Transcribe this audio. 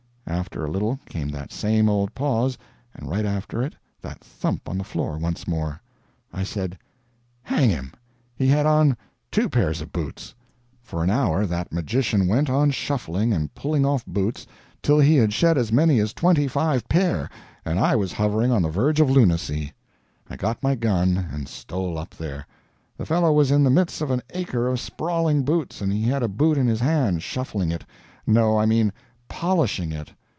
After a little came that same old pause, and right after it that thump on the floor once more. I said, "Hang him, he had on TWO pair of boots!" For an hour that magician went on shuffling and pulling off boots till he had shed as many as twenty five pair, and I was hovering on the verge of lunacy. I got my gun and stole up there. The fellow was in the midst of an acre of sprawling boots, and he had a boot in his hand, shuffling it no, I mean POLISHING it.